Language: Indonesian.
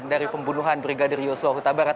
dari pembunuhan brigadir yosua huta barat